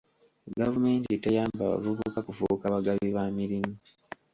Gavumenti teyamba bavubuka kufuuka bagabi ba mirimu.